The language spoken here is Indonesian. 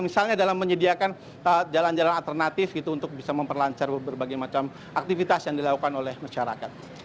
misalnya dalam menyediakan jalan jalan alternatif gitu untuk bisa memperlancar berbagai macam aktivitas yang dilakukan oleh masyarakat